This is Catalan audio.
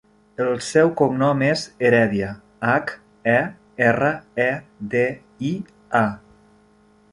El seu cognom és Heredia: hac, e, erra, e, de, i, a.